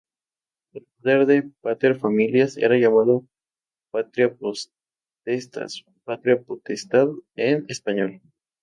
El poder del "pater familias" era llamado "patria potestas" —patria potestad en español—.